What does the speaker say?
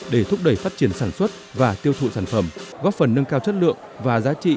để thúc đẩy phát triển sản xuất và tiêu thụ sản phẩm góp phần nâng cao chất lượng và giá trị